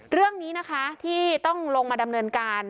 เรื่องนี้นะคะที่ต้องลงมาดำเนินการ